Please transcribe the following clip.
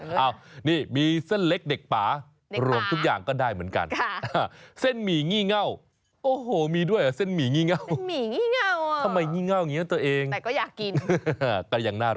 หรือจะเป็นเกาเหล่าก็กลายเป็นชื่อเกาเหล่าเอาแต่ใจ